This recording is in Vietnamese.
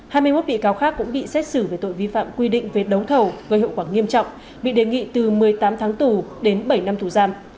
hai bị cáo bị xét xử về tội vi phạm quy định về đống thầu gây hậu quả nghiêm trọng bị đề nghị từ một mươi tám tháng tù đến bảy năm tù giam